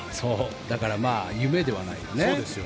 だから、夢ではないよね。